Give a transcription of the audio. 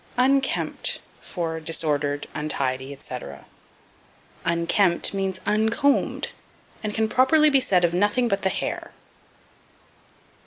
Unkempt for Disordered, Untidy, etc. Unkempt means uncombed, and can properly be said of nothing but the hair.